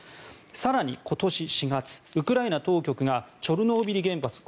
更に今年４月ウクライナ当局がチョルノービリ原発